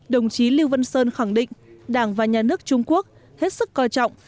đồng chí lưu văn sơn khẳng định đảng và nhà nước trung quốc hết sức coi trọng